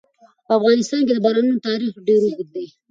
په افغانستان کې د بارانونو تاریخ ډېر اوږد دی.